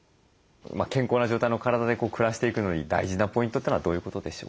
健康な状態の体で暮らしていくのに大事なポイントというのはどういうことでしょうか？